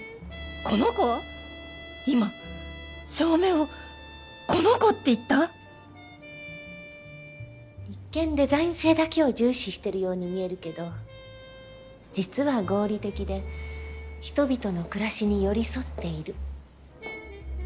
今照明を「この子」って言った⁉一見デザイン性だけを重視してるように見えるけど実は合理的で人々の暮らしに寄り添っている。